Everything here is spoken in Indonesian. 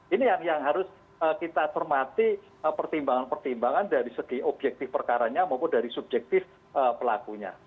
ini yang harus kita cermati pertimbangan pertimbangan dari segi objektif perkaranya maupun dari subjektif pelakunya